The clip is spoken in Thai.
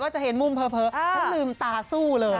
ฉันลืมตาซู่เลย